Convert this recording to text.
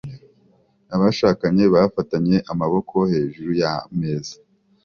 Abashakanye bafatanye amaboko hejuru y'ameza